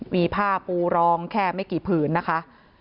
มีผ้าปูรองแค่ไม่กี่ผืนนะคะ